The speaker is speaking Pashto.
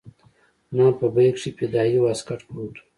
زما په بېګ کښې فدايي واسکټ پروت و.